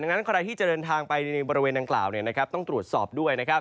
งั้นใครที่จะเดินทางไปในบริเวณดังกล่าวต้องตรวจสอบด้วยนะครับ